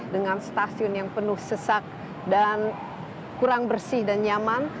dengan stasiun yang penuh sesak dan kurang bersih dan nyaman